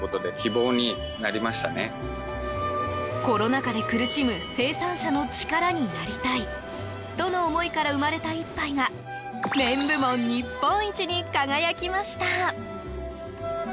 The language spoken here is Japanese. コロナ禍で苦しむ生産者の力になりたいとの思いから生まれた一杯が麺部門日本一に輝きました。